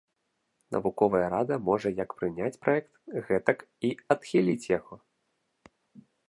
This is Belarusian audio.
Навуковая рада можа як прыняць праект, гэтак і адхіліць яго.